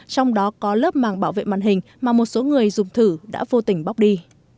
trong đó có lớp màng bảo vệ màn hình mà một số người dùng thử đã vô tình bóc đi